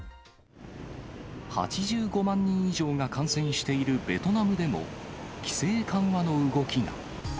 ８５万人以上が感染しているベトナムでも、規制緩和の動きが。